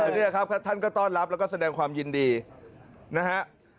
นี่ครับท่านก็ต้อนรับแล้วก็แสดงความยินดีนะฮะ